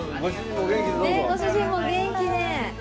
ご主人もお元気でどうぞ。